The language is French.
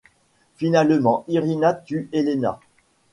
Finalement, Irina tue Elena.